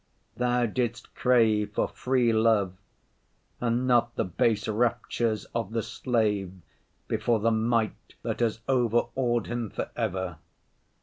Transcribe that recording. Thou didst crave for free love and not the base raptures of the slave before the might that has overawed him for ever.